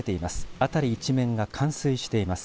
辺り一面が冠水しています。